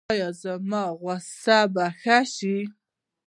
ایا زما غوسه به ښه شي؟